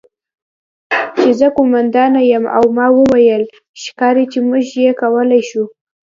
چې زه قوماندانه یم او ما وویل: 'ښکاري چې موږ یې کولی شو'.